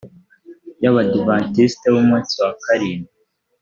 y abadivantisiti b umunsi wa karindwi